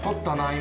今。